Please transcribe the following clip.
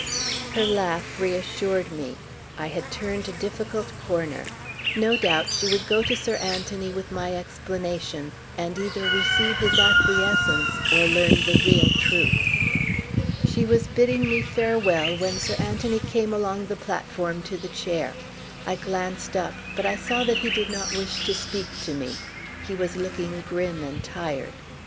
Her laugh reassured me. I had turned a difficult corner. No doubt she would go to Sir Anthony with my explanation and either receive his acquiescence or learn the real truth. She was bidding me farewell when Sir Anthony came along the platform to the chair. I glanced up, but I saw that he did not wish to speak to me. He was looking grim and tired.